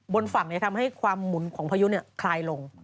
บนฝั่งในทำให้มุนของประยุสขายลง